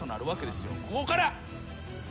ここから。